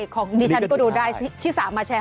ของดิฉันก็ดูได้ชิสามาแชร์